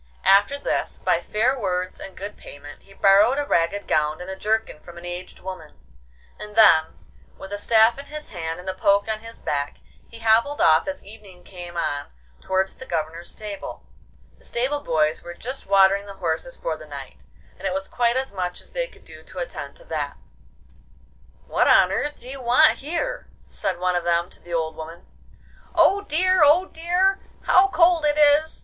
After this, by fair words and good payment, he borrowed a ragged gown and a jerkin from an aged woman, and then, with a staff in his hand and a poke on his back, he hobbled off as evening came on towards the Governor's stable. The stable boys were just watering the horses for the night, and it was quite as much as they could do to attend to that. 'What on earth do you want here?' said one of them to the old woman. 'Oh dear! oh dear! How cold it is!